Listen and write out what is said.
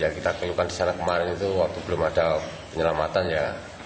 kita penyandara kemarin waktu belum ada penyelamatan ya